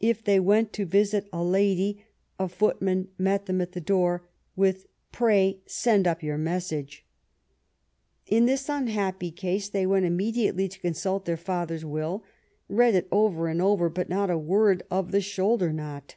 If they went to visit a lady, a footman met them at the door, with * Pray send up your message.' In this unhappy case they went immediately to consult their father's will; read it over and over, but not a word of the shoulder knot."